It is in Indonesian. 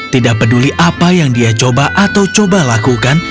tidak peduli apa yang dia coba atau coba lakukan